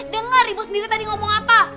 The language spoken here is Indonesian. dengar ibu sendiri tadi ngomong apa